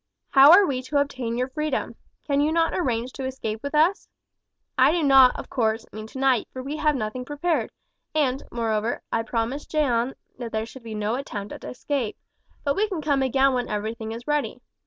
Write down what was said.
How are we to obtain your freedom? Cannot you arrange to escape with us? I do not, of course, mean tonight, for we have nothing prepared, and, moreover, I promised Jeanne that there should be no attempt at escape; but we can come again when everything is ready.